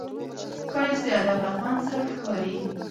ښایست د ادب له خوند سره ښکاري